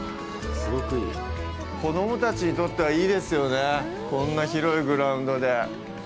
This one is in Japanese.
子供たちにとってはいいですよね、こんな広いグラウンドで。